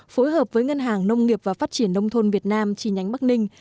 phối hợp với ngân hàng nông nghiệp và phát triển nông thôn việt nam trì nhánh bắc ninh